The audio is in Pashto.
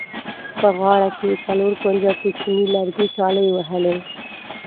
په غاړه کې یې څلور کونجه کوچیني لرګي ټالۍ وهلې.